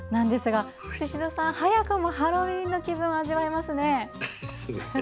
宍戸さん、早くもハロウィーンの気分を味わえますね。